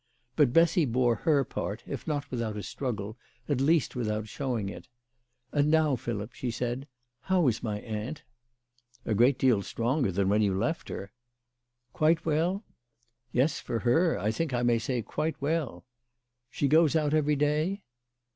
But Bessy bore her part, if not without a struggle, at least without showing it. "And now, Philip," she said, " how is my aunt ?"" A great deal stronger than when you left her." " Quite well ?"." Yes ; for her, I think I may say quite well." " She goes out every day?